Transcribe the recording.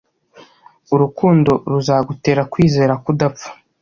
urukundo ruzagutera kwizera kudapfa